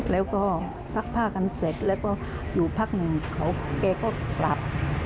แล้วก็ซักผ้ากันเสร็จแล้วก็อยู่พักหนึ่งเขาแกก็กลับ